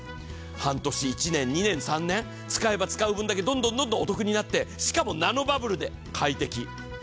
半年、１年、２年、３年使えば使う分だけどんどんお得に鳴ってしかもナノバブルで快適。